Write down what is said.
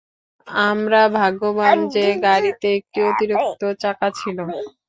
আমরা ভাগ্যবান যে গাড়িতে একটি অতিরিক্ত চাকা ছিল।